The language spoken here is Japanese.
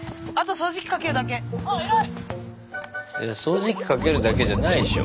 掃除機かけるだけじゃないでしょ。